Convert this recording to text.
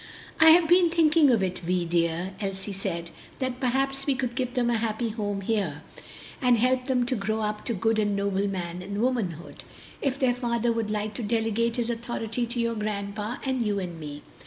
"I have been thinking of it, Vi, dear," Elsie said; "that perhaps we could give them a happy home here, and help them to grow up to good and noble man and womanhood, if their father would like to delegate his authority to your grandpa and you and me.